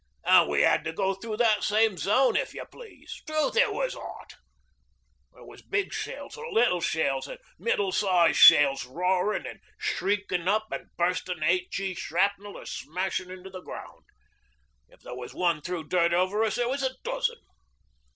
An' we had to go through that same zone, if you please. 'Strewth, it was hot. There was big shells an' little shells an' middle sized shells, roarin' an' shrieking up and bursting H.E. shrapnel or smashing into the ground. If there was one threw dirt over us there was a dozen.